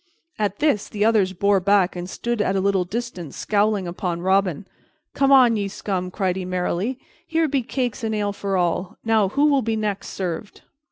At this the others bore back and stood at a little distance scowling upon Robin. "Come on, ye scum!" cried he merrily. "Here be cakes and ale for all. Now, who will be next served?"